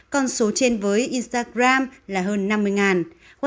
còn số trên với instagram là hơn năm mươi whatsapp gần ba mươi lượt con facebook là hơn bảy mươi